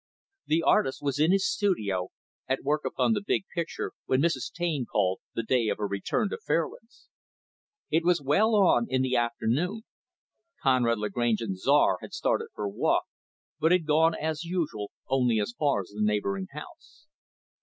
The artist was in his studio, at work upon the big picture, when Mrs. Taine called, the day of her return to Fairlands. It was well on in the afternoon. Conrad Lagrange and Czar had started for a walk, but had gone, as usual, only as far as the neighboring house.